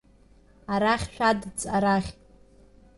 Арахь шәадҵ, арахь!